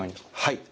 はい。